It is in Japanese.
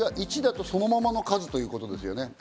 １だと、そのままの数ってことですね。